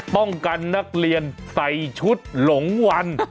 ป้องกันนักเรียนใส่ชุดหลงวัน